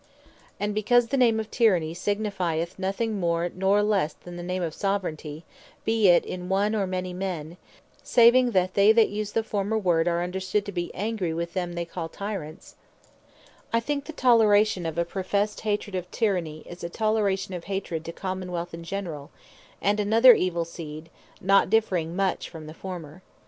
And because the name of Tyranny, signifieth nothing more, nor lesse, than the name of Soveraignty, be it in one, or many men, saving that they that use the former word, are understood to bee angry with them they call Tyrants; I think the toleration of a professed hatred of Tyranny, is a Toleration of hatred to Common wealth in general, and another evill seed, not differing much from the former.